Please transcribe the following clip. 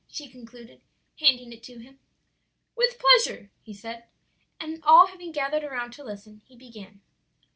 she concluded, handing it to him. "With pleasure," he said, and all having gathered around to listen, he began.